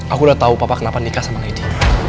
aku udah tau papa kenapa nikah sama lady